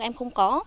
các em không có